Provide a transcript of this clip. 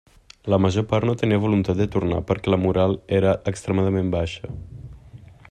La major part no tenia voluntat de tornar perquè la moral era extremadament baixa.